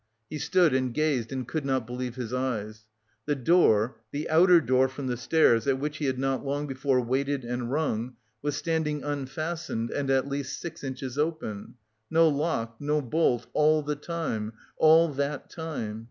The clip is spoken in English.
He stood and gazed and could not believe his eyes: the door, the outer door from the stairs, at which he had not long before waited and rung, was standing unfastened and at least six inches open. No lock, no bolt, all the time, all that time!